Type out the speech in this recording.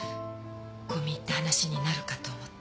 込み入った話になるかと思って。